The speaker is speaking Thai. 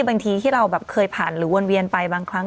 บางทีที่เราแบบเคยผ่านหรือวนเวียนไปบางครั้ง